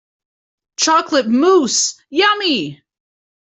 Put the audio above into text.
Chocolate mousse; yummy!